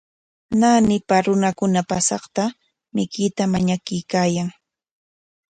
Naanitraw runakuna paasaqta mikuyta mañakuykaayan.